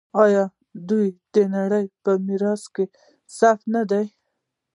آیا دوی د نړۍ په میراث کې ثبت نه دي؟